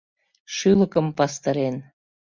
Шӱлыкым пастырен